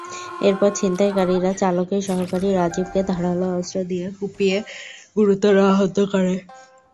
এরপর ছিনতাইকারীরা চালকের সহকারী রাজিবকে ধারালো অস্ত্র দিয়ে কুপিয়ে গুরুতর আহত করে।